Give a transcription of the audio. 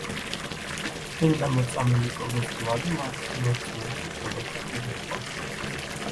წმინდა მოწამე ნიკოლოზ დვალი მართლმორწმუნე მშობელთა შვილი იყო.